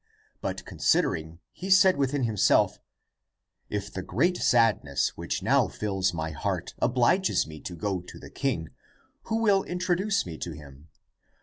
But considering he said within himself, " If the great sadness which now fills my heart obliges me to go to the king, who will introduce me to him?